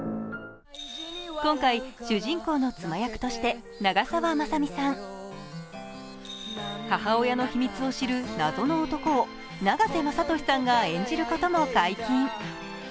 今回、主人公の妻役として長澤まさみさん、母親の秘密を知る謎の男を永瀬正敏さんが演じることも解禁。